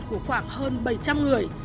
của khoảng hơn bảy trăm linh người